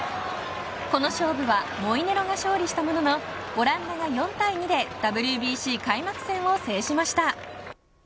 この勝負はモイネロが勝利したもののオランダが４対２でＷＢＣ開幕戦を制しました。